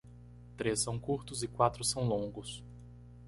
Três são curtos e quatro são longos.